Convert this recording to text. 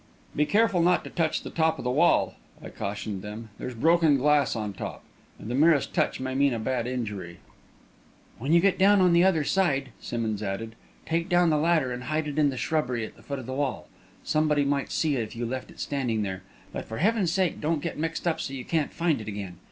"Be careful not to touch the top of the wall," I cautioned them; "there's broken glass on top, and the merest touch may mean a bad injury." "When you get down on the other side," Simmonds added, "take down the ladder and hide it in the shrubbery at the foot of the wall. Somebody might see it if you left it standing there. But for heaven's sake, don't get mixed up so you can't find it again.